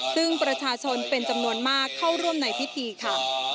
ซึ่งประชาชนเป็นจำนวนมากเข้าร่วมในพิธีค่ะ